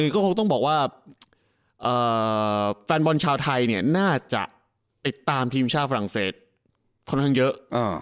ก็ต้องบอกว่าแฟนบนชาวไทยน่าจะติดตามชาวฝรั่งเศสค่อนข้างเยอะ